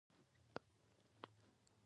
د کاناډا فلمي صنعت وده کړې.